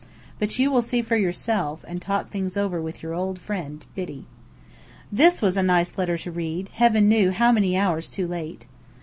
But you will see for yourself, and talk things over with Your old friend, Biddy. This was a nice letter to read, heaven knew how many hours too late!